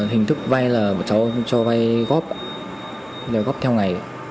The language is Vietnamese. hình thức vai là cho vai góp góp theo ngày